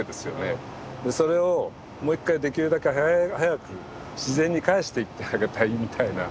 それをもう一回できるだけ早く自然に返していってあげたいみたいな。